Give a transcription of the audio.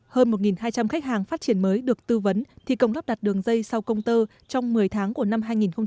hơn một hai trăm linh khách hàng phát triển mới được tư vấn thi công lắp đặt đường dây sau công tơ trong một mươi tháng của năm hai nghìn hai mươi